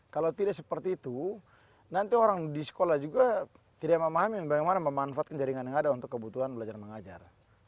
kalau tidak seperti itu nanti orang di sekolah juga tidak memahami bagaimana memanfaatkan jaringan yang ada untuk kebutuhan belajar mengajar